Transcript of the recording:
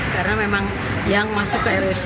karena memang yang masuk ke rsui